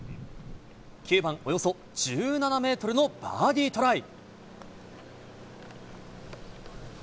９番、およそ１７メートルのバーディートライ。